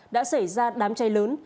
đã xảy ra đám cháy lớn